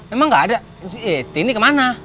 emang gak ada eh cendini kemana